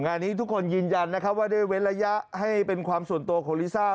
งานนี้ทุกคนยืนยันนะครับว่าได้เว้นระยะให้เป็นความส่วนตัวของลิซ่า